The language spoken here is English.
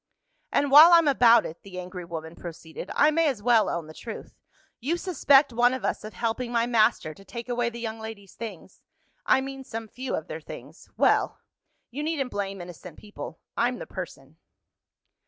"And while I'm about it," the angry woman proceeded, "I may as well own the truth. You suspect one of us of helping my master to take away the young ladies' things I mean some few of their things. Well! you needn't blame innocent people. I'm the person."